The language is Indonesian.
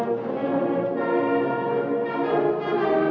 lagu kebangsaan indonesia raya